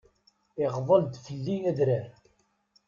Iɣḍel-d fell-i adrar.